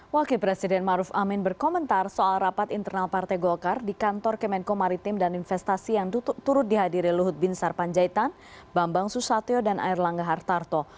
wakil presiden maruf amin berkomentar soal rapat internal partai golkar di kantor kemenko maritim dan investasi yang turut dihadiri luhut bin sarpanjaitan bambang susatyo dan air langga hartarto